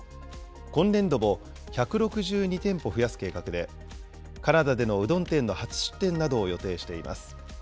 今年度も１６２店舗増やす計画で、カナダでのうどん店の初出店などを予定しています。